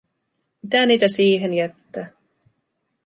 Mitä niitä siihen jättää?